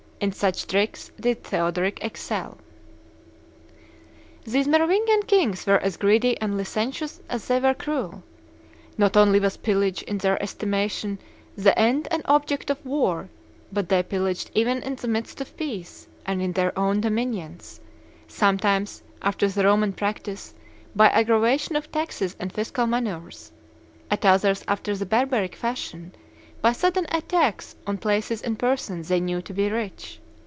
In such tricks did Theodoric excel." (Gregory of Tours, III. vii.) These Merovingian kings were as greedy and licentious as they were cruel. Not only was pillage, in their estimation, the end and object of war, but they pillaged even in the midst of peace and in their own dominions; sometimes, after the Roman practice, by aggravation of taxes and fiscal manoeuvres, at others after the barbaric fashion, by sudden attacks on places and persons they knew to be rich.